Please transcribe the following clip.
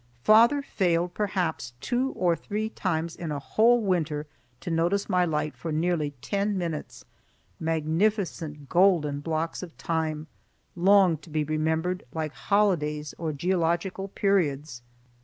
Father failed perhaps two or three times in a whole winter to notice my light for nearly ten minutes, magnificent golden blocks of time, long to be remembered like holidays or geological periods.